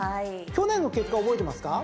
去年の結果覚えてますか？